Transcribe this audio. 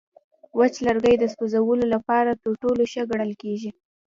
وچ لرګی د سوځولو لپاره تر ټولو ښه ګڼل کېږي.